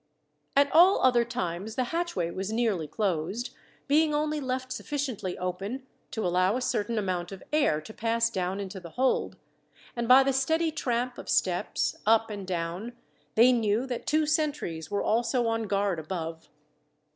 At all other times the hatchway was nearly closed, being only left sufficiently open to allow a certain amount of air to pass down into the hold, and by the steady tramp of steps, up and down, they knew that two sentries were also on guard above.